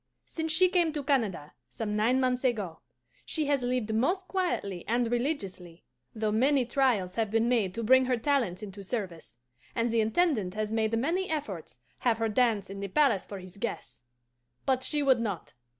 Since she came to Canada, some nine months ago, she has lived most quietly and religiously, though many trials have been made to bring her talents into service; and the Intendant has made many efforts have her dance in the palace for his guests. But she would not.